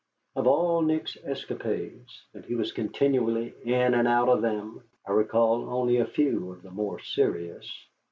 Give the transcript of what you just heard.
Of all Nick's escapades, and he was continually in and out of them, I recall only a few of the more serious.